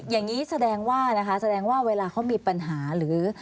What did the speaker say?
อย่างนี้แสดงว่านะคะแสดงว่าเวลาเขามีปัญหาหรือ